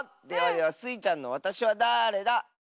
ではではスイちゃんの「わたしはだれだ？」。